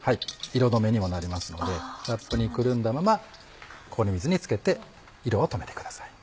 色止めにもなりますのでラップにくるんだまま氷水につけて色を止めてください。